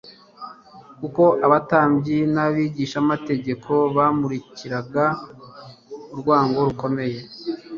Kuko abatambyi n'abigishamategeko bamukurikiranaga urwango rukomeye.